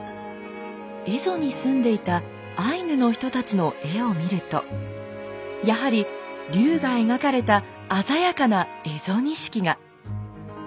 蝦夷に住んでいたアイヌの人たちの絵を見るとやはり竜が描かれた鮮やかな蝦夷錦が。